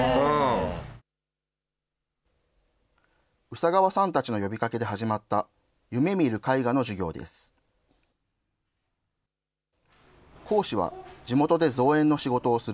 宇佐川さんたちの呼びかけで始まった、夢見る絵画の授業です。